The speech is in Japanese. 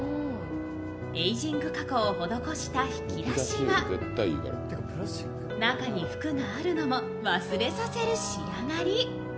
エイジング加工を施した引き出しは中に服があるのも忘れさせる仕上がり。